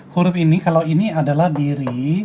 huruf ini kalau ini adalah diri